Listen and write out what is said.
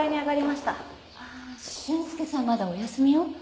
まだお休みよ。